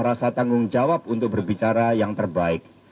rasa tanggung jawab untuk berbicara yang terbaik